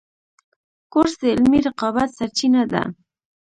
کورس د علمي رقابت سرچینه ده.